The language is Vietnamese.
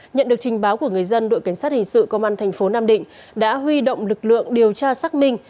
nhận được trình báo của người dân đội cảnh sát hình sự công an thành phố nam định đã huy động lực lượng điều tra xác minh